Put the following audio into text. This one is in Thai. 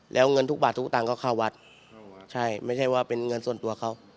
แล้วเงินทุกบาททุกตังค์ก็เข้าวัดใช่ไม่ใช่ว่าเป็นเงินส่วนตัวเขา